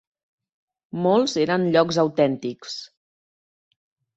Molts eren llocs autèntics.